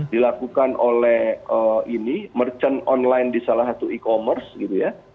dilakukan oleh ini merchant online di salah satu e commerce gitu ya